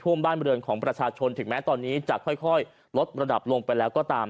บ้านบริเวณของประชาชนถึงแม้ตอนนี้จะค่อยลดระดับลงไปแล้วก็ตาม